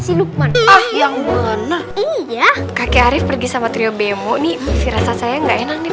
si lukman yang bener iya kakek arief pergi sama teriobemo nih rasa saya nggak enak nih